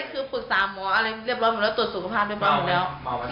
คือปรึกษาหมออะไรเรียบร้อยหมดแล้วตรวจสุขภาพเรียบร้อยแล้ว